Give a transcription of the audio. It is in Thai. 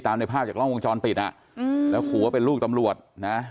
ในภาพจากล้องวงจรปิดอ่ะอืมแล้วขู่ว่าเป็นลูกตำรวจนะ